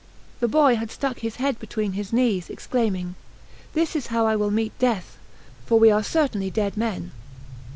The boy had stuck his head between his knees, exclaiming: "This is how I will meet death, for we are certainly dead men."